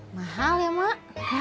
mahal ya mak